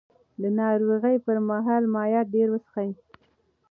د ناروغۍ پر مهال مایعات ډېر وڅښئ.